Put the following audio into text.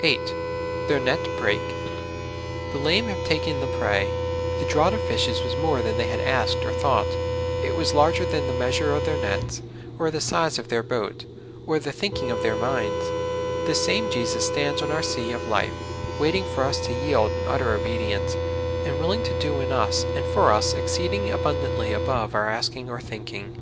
8. Their net brake y "The lame have taken I he pre}'. '' The draught of fishes was more than they asked or thought ; it was larger than the measure of their nets, or the size of their boat, or the thinking of their minds. This same Jesus stands on our sea of life, waiting for us to yield an utter obedience, and willing to do in us and for us '* exceeding abundantl}^ above our ask ing or thinkin